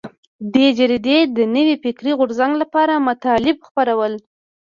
دې جریدې د نوي فکري غورځنګ لپاره مطالب خپرول.